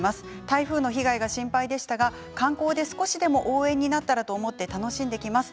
台風の被害が心配でしたが観光で少しでも応援になったらと思って楽しんできます。